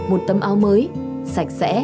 một tấm áo mới sạch sẽ